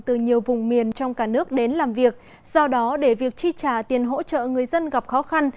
từ nhiều vùng miền trong cả nước đến làm việc do đó để việc chi trả tiền hỗ trợ người dân gặp khó khăn